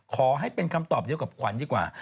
ขอให้เป็นคำตอบเดียวกับขวัญดีกว่า